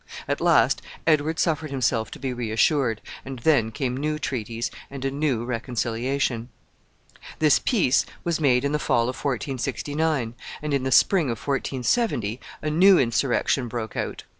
At last Edward suffered himself to be reassured, and then came new treaties and a new reconciliation. This peace was made in the fall of 1469, and in the spring of 1470 a new insurrection broke out.